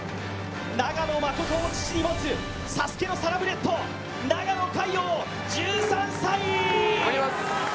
長野誠を父に持つＳＡＳＵＫＥのサラブレッド、長野塊王１３歳！